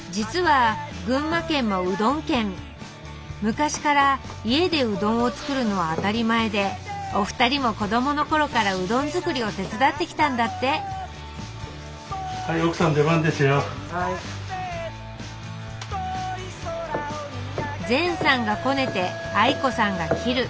昔から家でうどんを作るのは当たり前でお二人も子どもの頃からうどん作りを手伝ってきたんだって全さんがこねて愛子さんが切る。